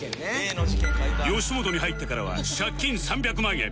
吉本に入ってからは借金３００万円